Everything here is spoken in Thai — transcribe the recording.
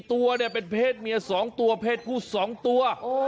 ตัวเนี่ยเป็นเพศเมีย๒ตัวเพศผู้๒ตัว